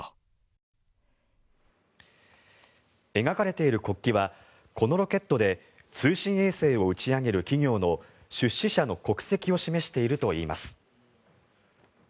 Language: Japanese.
描かれている国旗はこのロケットで通信衛星を打ち上げる企業の出資者の国籍を示しているといいます。